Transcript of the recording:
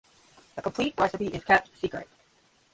The complete recipe is kept secret.